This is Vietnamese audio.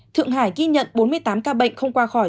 thượng hải ghi nhận bốn mươi tám ca bệnh không qua khỏi